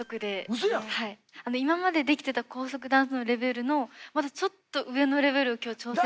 今までできてた高速ダンスのレベルのまたちょっと上のレベルを今日挑戦するんですよ。